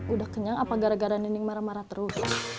udah kenyang apa gara gara nining marah marah terus